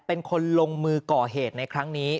เป็นคนลงมือก่อเหตุในครั้งนี้